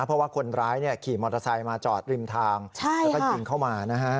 เพราะว่าคนร้ายขี่มอเตอร์ไซค์มาจอดริมทางแล้วก็ยิงเข้ามานะฮะ